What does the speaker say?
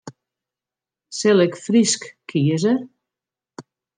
Sil ik Frysk kieze?